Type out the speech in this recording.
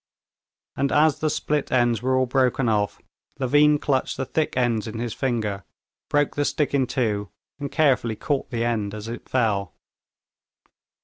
And as the split ends were all broken off, Levin clutched the thick ends in his finger, broke the stick in two, and carefully caught the end as it fell.